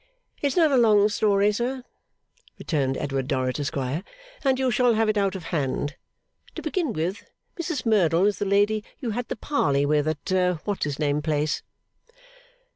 'It's not a long story, sir,' returned Edward Dorrit, Esquire, 'and you shall have it out of hand. To begin with, Mrs Merdle is the lady you had the parley with at what's his name place.